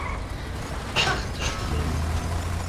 Schach zu spielen.